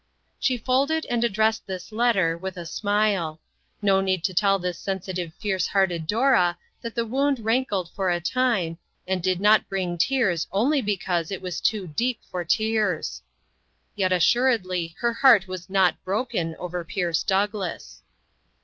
She folded and addressed this letter with a smile. No need to tell this sensitive fierce hearted Dora that the wound rankled for a time, and did not bring tears only because it was too deep for tears. Yet assuredly her heart was not broken over Pierce Douglass.